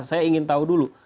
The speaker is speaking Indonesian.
saya ingin tahu dulu